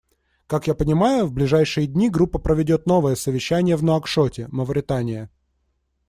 Как я понимаю, в ближайшие дни Группа проведет новое совещание в Нуакшоте, Мавритания.